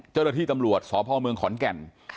เจ้าหน้าที่ตำรวจสพเมืองขอนแก่น